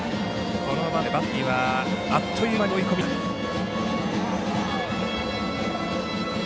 この場面でバッテリーはあっという間に追い込みました。